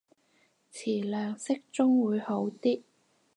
詞量適中會好啲